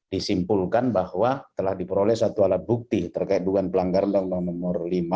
disimpulkan bahwa telah diperoleh satu alat bukti terkait dugaan pelanggaran undang undang nomor lima